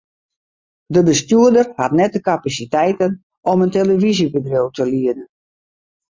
De bestjoerder hat net de kapasiteiten om in telefyzjebedriuw te lieden.